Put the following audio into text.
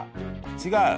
違う？